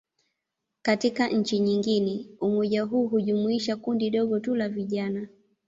Katika nchi nyingine, umoja huu hujumuisha kundi dogo tu la vijana.